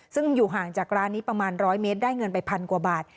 ซึ่งอยู่ห่างจากร้านนี้ประมาณ๑๐๐เมตรได้เงินไปพันกว่าบาท